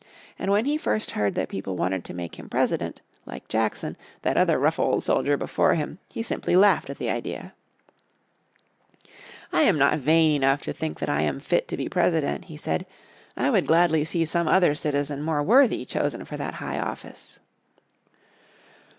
And when he first heard that people wanted to make him President, like Jackson, that other rough old soldier before him, he simply laughed at the idea. "I am not vain enough to think that I am fit to be President," he said. "I would gladly see some other citizen more worthy chosen for that high office."